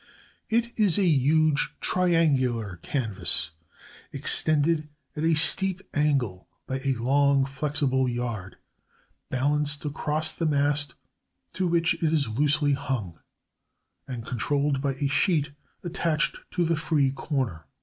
It is a huge, triangular canvas extended at a steep angle by a long, flexible yard balanced across the mast to which it is loosely hung, and controlled by a sheet attached to the free corner.